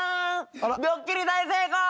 ドッキリ大成功。